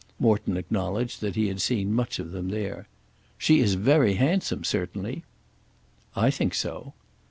Morton acknowledged that he had seen much of them there. "She is very handsome, certainly." "I think so."